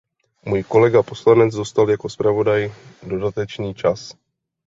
Můj kolega poslanec dostal jako zpravodaj dodatečný čas.